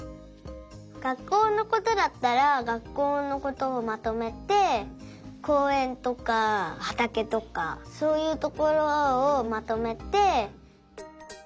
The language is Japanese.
学校のことだったら学校のことをまとめてこうえんとかはたけとかそういうところをまとめて。